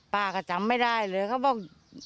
ป้าก็จำไม่ได้เลยเขาบอก